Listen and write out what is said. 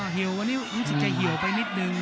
หิววันนี้รู้สึกจะหิวไปนิดนึง